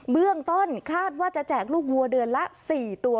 เบื้องต้นคาดว่าจะแจกลูกวัวเดือนละ๔ตัว